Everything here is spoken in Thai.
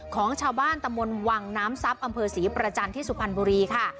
ของชาวบ้านตะมนต์วังน้ำทรัพย์อำเภอศรีประจันทร์ที่สุพรรณบุรีค่ะ